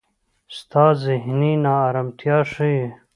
ستاسې زهني نا ارمتیا ښي.